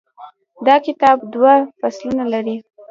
دا کتاب دوه فصلونه لري.